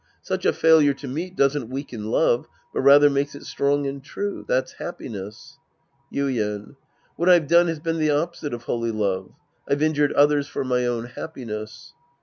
Such a failure to meet doesn't weaken love, but rather makes it strong and true. That's happiness. Ytden. VViiat I've done has been the opposite of holy love. I've injured others for my own happiness.